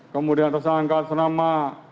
kemudian tersangka tersenama